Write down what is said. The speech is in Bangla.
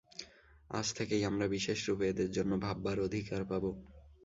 আজ থেকেই আমরা বিশেষরূপে এঁদের জন্য ভাববার অধিকার পাব।